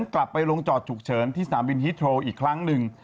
กลับไปลงจอดฉุกเฉินที่สนามบินฮิตโทรอีกครั้งหนึ่ง